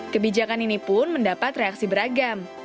kebijakan ini pun mendapat reaksi beragam